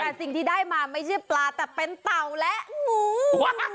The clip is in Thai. แต่สิ่งที่ได้มาไม่ใช่ปลาแต่เป็นเต่าและงู